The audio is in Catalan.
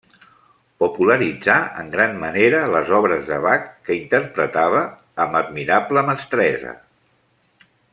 Popularitzà en gran manera les obres de Bach que interpretava amb admirable mestressa.